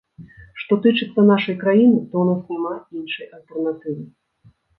Што тычыцца нашай краіны, то ў нас няма іншай альтэрнатывы.